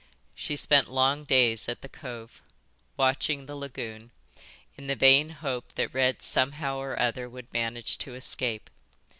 She spent long days at the cove, watching the lagoon, in the vain hope that Red somehow or other would manage to escape.